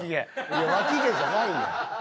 いや「わき毛！」じゃないねん。